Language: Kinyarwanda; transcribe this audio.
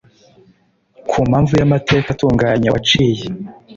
ku mpamvu y’amateka atunganye waciye